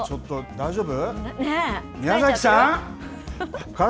大丈夫？